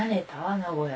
名古屋。